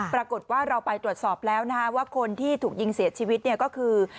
ปรากฏว่าเราไปตรวจสอบแล้วนะฮะว่าคนที่ถูกยิงเสียชีวิตเนี่ยก็คือ